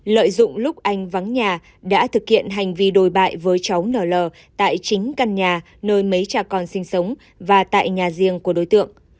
lợi dụng lúc anh vắng nhà đã thực hiện hành vi đồi bại với cháu nl tại chính căn nhà nơi mấy cha con sinh sống và tại nhà riêng của đối tượng